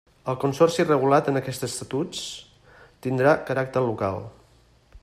El Consorci regulat en aquests estatuts tindrà caràcter local.